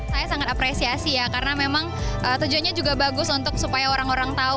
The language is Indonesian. saya sangat apresiasi ya karena memang tujuannya juga bagus untuk supaya orang orang tahu